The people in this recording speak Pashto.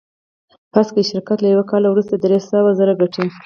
فرض کړئ شرکت له یوه کال وروسته درې سوه زره ګټي